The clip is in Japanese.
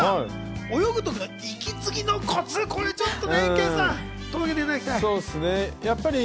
泳ぐときの息継ぎのコツ、エンケンさんに届けていただきたい。